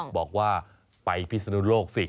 บอกว่าไปพิศนุโลกสิ